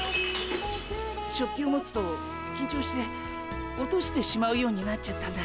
食器を持つときんちょうして落としてしまうようになっちゃったんだ。